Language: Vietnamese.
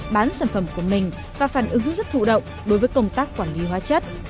bán sản phẩm của mình và phản ứng rất thụ động đối với công tác quản lý hóa chất